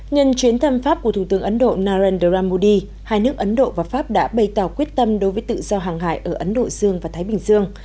nhân chuyến thăm pháp của thủ tướng ấn độ narendra modi hai nước ấn độ và pháp đã bày tỏ quyết tâm đối với tự do hàng hải ở ấn độ dương và thái bình dương